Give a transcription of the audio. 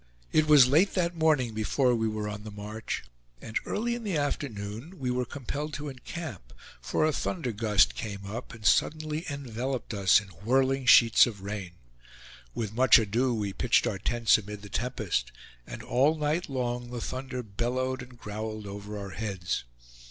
It was late that morning before we were on the march; and early in the afternoon we were compelled to encamp, for a thunder gust came up and suddenly enveloped us in whirling sheets of rain. With much ado, we pitched our tents amid the tempest, and all night long the thunder bellowed and growled over our heads.